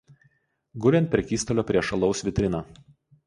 guli ant prekystalio prieš alaus vitriną